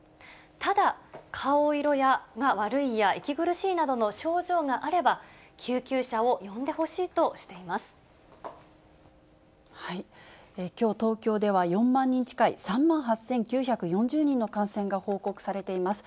ただ、顔色が悪いや、息苦しいなどの症状があれば、救急車を呼んでほしいとしていまきょう、東京では４万人近い３万８９４０人の感染が報告されています。